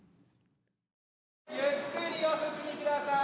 ゆっくりお進み下さい。